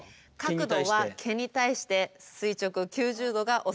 角度は毛に対して垂直９０度がおすすめです。